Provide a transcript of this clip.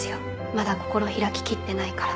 まだ心開き切ってないから。